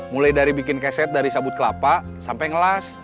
mulai dari bikin keset dari sabut kelapa sampai ngelas